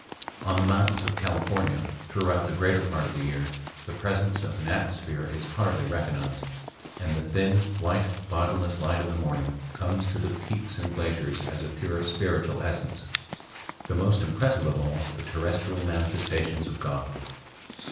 On the mountains of California, throughout the greater part of the year, the presence of an atmosphere is hardly recognized, and the thin, white, bodiless light of the morning comes to the peaks and glaciers as a pure spiritual essence, the most impressive of all the terrestrial manifestations of God.